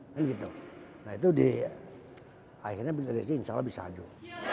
nah itu di akhirnya bisa disini insya allah bisa ajur